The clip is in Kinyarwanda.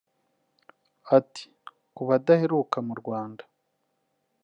Ati “Ku badaheruka mu Rwanda